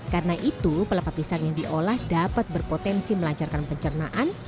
karena itu pelepah pisang yang diolah dapat berpotensi melancarkan pencernaan